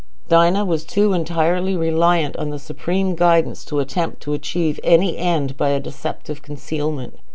Dinah was too entirely reliant on the Supreme guidance to attempt to achieve any end by a deceptive concealment.